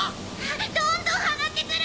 どんどん上がってくる！